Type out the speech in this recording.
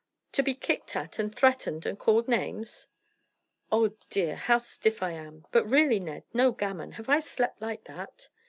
"To be kicked at and threatened and called names?" "Oh dear, how stiff I am! But really, Ned no gammon have I slept like that?"